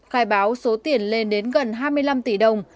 khai báo số tiền lên đến gần hai mươi năm tỷ đồng